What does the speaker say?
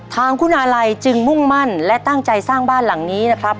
ทางคุณอาลัยจึงมุ่งมั่นและตั้งใจสร้างบ้านหลังนี้นะครับ